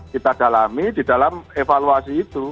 kita dalami di dalam evaluasi itu